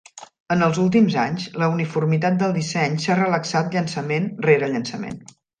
En els últims anys, la uniformitat del disseny s'ha relaxat llançament rere llançament.